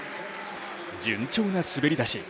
順調な滑り出し。